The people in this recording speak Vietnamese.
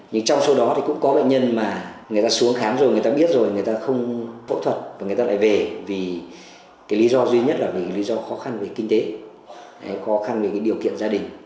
nhưng trong số đó thì cũng có bệnh nhân mà người ta xuống khám rồi người ta biết rồi người ta không phẫu thuật và người ta lại về vì cái lý do duy nhất là lý do khó khăn về kinh tế khó khăn về cái điều kiện gia đình